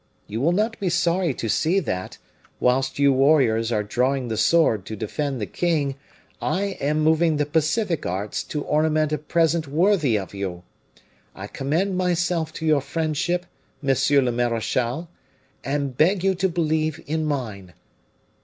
You will not be sorry to see that, whilst you warriors are drawing the sword to defend the king, I am moving the pacific arts to ornament a present worthy of you. I commend myself to your friendship, monsieur le marechal, and beg you to believe in mine.